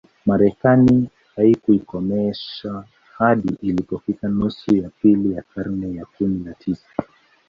Marekani haikuikomesha hadi ilipofika nusu ya pili ya karne ya kumi na tisa